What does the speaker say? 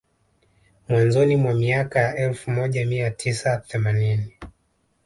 Mwanzoni mwa miaka ya elfu moja mia tisa themanini